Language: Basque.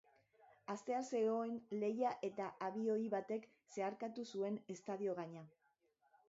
Hastear zegoen lehia eta abioi batek zeharkatu zuen estadio gaina.